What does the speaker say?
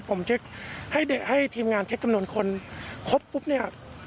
ผมเช็คให้ทีมงานเช็คจำนวนคนครบปุ๊บเนี่ย